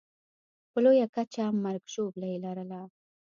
په لویه کچه مرګ ژوبله یې لرله.